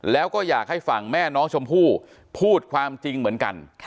แล้วก็อยากให้ฝั่งแม่น้องชมพู่พูดความจริงเหมือนกัน